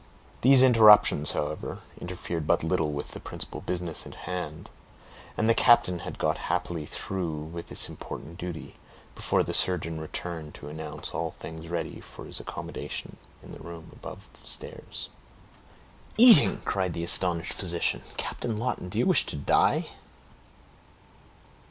These interruptions, however, interfered but little with the principal business in hand; and the captain had got happily through with this important duty, before the surgeon returned to announce all things ready for his accommodation in the room above stairs. "Eating!" cried the astonished physician. "Captain Lawton, do you wish to die?"